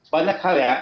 banyak hal ya